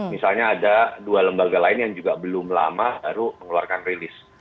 misalnya ada dua lembaga lain yang juga belum lama baru mengeluarkan rilis